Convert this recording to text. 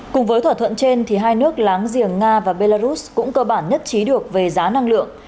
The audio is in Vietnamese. cùng với thỏa thuận trên hai nước láng giềng nga và belarus cũng cơ bản nhất trí được về giá năng lượng